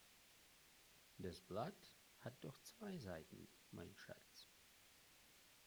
Das Blatt hat doch zwei Seiten, mein Schatz.